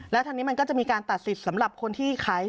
แล้วทางนี้มันก็จะมีการตัดสิทธิ์สำหรับคนที่ขาย